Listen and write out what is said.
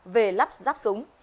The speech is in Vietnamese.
về lắp ráp súng